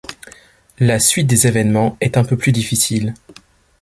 La suite des événements est un peu plus difficile.